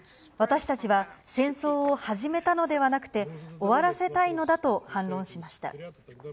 私たちは戦争を始めたのではなくて、終わらせたいのだと反論しました。